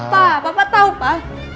pa papa tahu pa